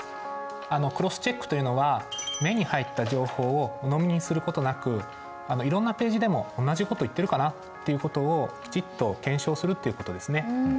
クロスチェックというのは目に入った情報をうのみにすることなくいろんなページでも同じこと言ってるかなっていうことをきちっと検証するっていうことですね。